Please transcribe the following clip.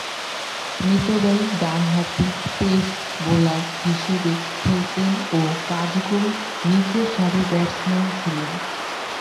মিতব্যয়ী ডানহাতি pace bowler হিসেবে খেলতেন ও কার্যকরী নিচেরসারির ব্যাটসম্যান ছিলেন।